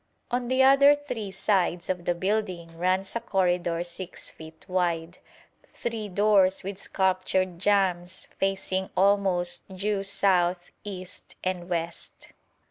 On the other three sides of the building runs a corridor 6 feet wide, three doors with sculptured jambs facing almost due south, east, and west.